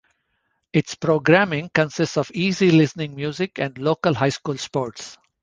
Its programming consists of easy listening music and local high school sports.